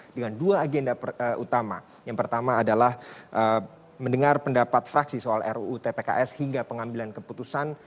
dengan dua agenda utama yang pertama adalah mendengar pendapat fraksi soal ruu tpks hingga pengambilan keputusan